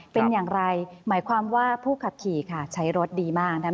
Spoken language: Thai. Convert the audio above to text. เป็นอย่างไรหมายความว่าผู้ขับขี่ค่ะใช้รถดีมากนะคะ